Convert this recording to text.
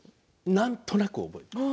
なんとなく覚えている。